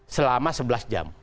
selama sebelas jam